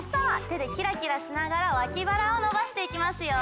てでキラキラしながらわきばらをのばしていきますよ。